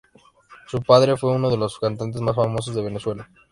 Su padre fue uno de los cantantes más famosos de Venezuela.